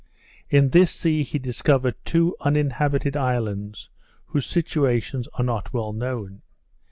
In this sea he discovered two uninhabited islands, whose situations are not well known.